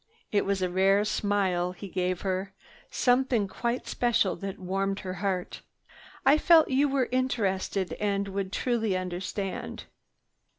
It was a rare smile he gave her, something quite special that warmed her heart. "I felt you were interested and would truly understand."